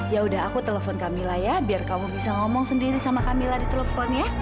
yaudah aku telepon camilla ya biar kamu bisa ngomong sendiri sama camilla di telepon ya